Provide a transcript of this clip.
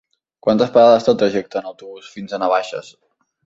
Quantes parades té el trajecte en autobús fins a Navaixes?